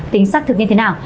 tính xác thực như thế nào